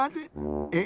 え？